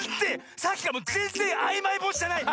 さっきからぜんぜんあいまい星じゃない。